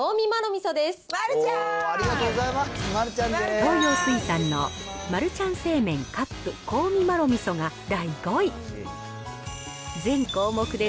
東洋水産のマルちゃん正麺カップ香味まろ味噌です。